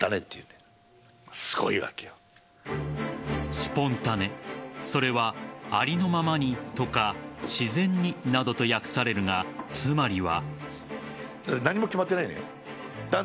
スポンタネそれはありのままにとか自然になどと訳されるがつまりは。